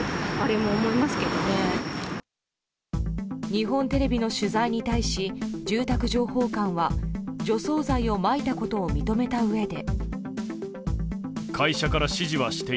日本テレビの取材に対し住宅情報館は除草剤をまいたことを認めたうえで。